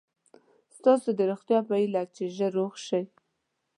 ستاسو د روغتیا په هیله چې ژر روغ شئ.